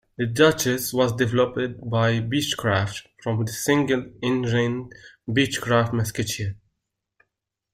The Duchess was developed by Beechcraft from the single-engined Beechcraft Musketeer.